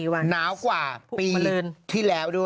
วันพนหัสนี้แล้ว